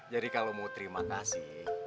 jadi kalau mau terima kasih